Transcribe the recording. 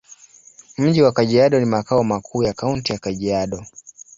Mji wa Kajiado ni makao makuu ya Kaunti ya Kajiado.